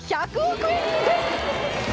１００億円です！